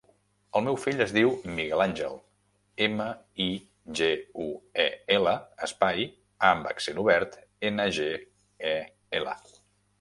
El meu fill es diu Miguel àngel: ema, i, ge, u, e, ela, espai, a amb accent obert, ena, ge, e, ela.